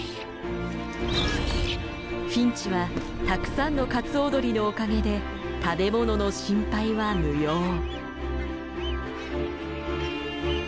フィンチはたくさんのカツオドリのおかげで食べ物の心配は無用。